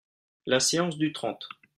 La séance du trente.